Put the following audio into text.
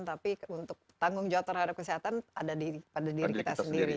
tapi untuk tanggung jawab terhadap kesehatan ada pada diri kita sendiri